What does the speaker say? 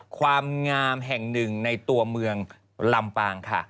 ความงามแห่งหนึ่งในตัวเมืองลำปางค่ะ